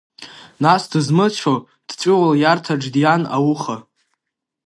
Нас, дызмыцәо, дҵәуо лиарҭаҿ диан ауха.